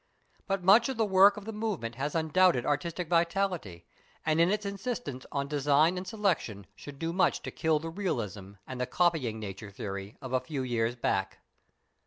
But much of the work of the movement has undoubted artistic vitality, and in its insistence on design and selection should do much to kill "realism" and the "copying nature" theory of a few years back.